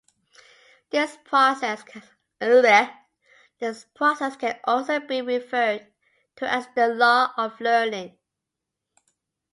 This process can also be referred to as The Law of Learning.